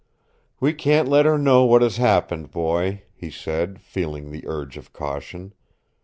"We can't let her know what has happened, boy," he said, feeling the urge of caution.